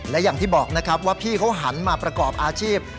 และอย่างที่บอกนะครับว่าพี่เขาหันมาประกอบอาชีพ